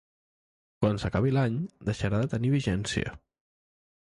Quan s'acabi l'any, deixarà de tenir vigència.